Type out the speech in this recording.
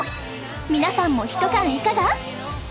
皆さんも一缶いかが？